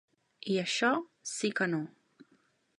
I això sí que no.